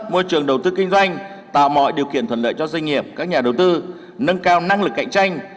môi trường đầu tư kinh doanh tạo mọi điều kiện thuận lợi cho doanh nghiệp các nhà đầu tư nâng cao năng lực cạnh tranh